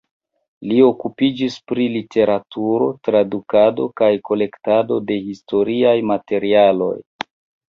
Li okupiĝis pri literaturo, tradukado kaj kolektado de historiaj materialoj.